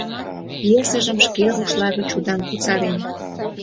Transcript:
Пьесыжым шке рушла гыч удан кусарен.